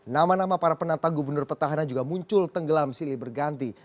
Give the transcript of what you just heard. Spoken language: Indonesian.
nama nama para penata gubernur petahana juga muncul tenggelam silih berganti